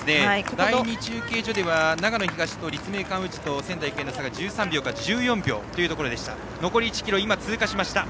第２中継所では長野東と立命館宇治と仙台育英の差が１３秒から１４秒でした。